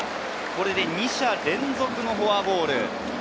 これで２者連続フォアボール。